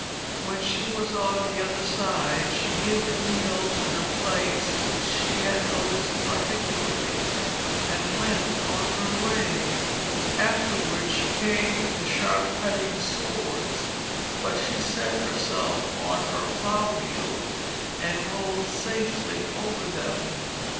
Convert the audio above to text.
When she was on the other side, she hid the needles, in a place which she had noticed particularly, and went on her way. Afterwards she came to the sharp cutting swords, but she set herself on her plough wheel and rolled safely over them.